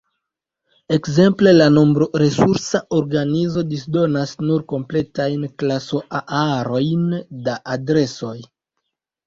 Ekzemple, la Nombro-Resursa Organizo disdonas nur kompletajn klaso-A-arojn da adresoj.